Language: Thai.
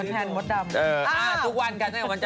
สนับสนุนโดยดีที่สุดคือการให้ไม่สิ้นสุด